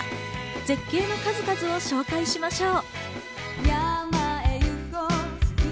絶景の数々を紹介しましょう。